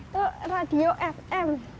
tuh radio fm